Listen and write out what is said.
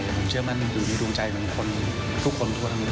แต่ผมเชื่อมั่นอยู่ในดวงใจเหมือนคนทุกคนทั่วทั้งนี้